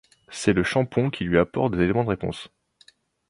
C'est le Chapon qui lui apporte des éléments de réponse.